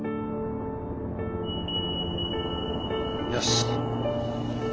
よし！